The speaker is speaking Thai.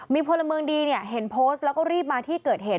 มีพลเมืองดีเนี่ยเห็นโพสต์แล้วก็รีบมาที่เกิดเหตุ